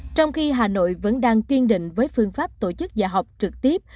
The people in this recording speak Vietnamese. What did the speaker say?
trong khi hà nội vẫn đang kiên định với phương pháp tổ chức dạy học trực tiếp